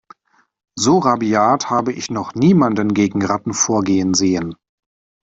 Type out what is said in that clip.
So rabiat habe ich noch niemanden gegen Ratten vorgehen sehen.